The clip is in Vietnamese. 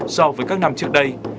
so với các năm trước đây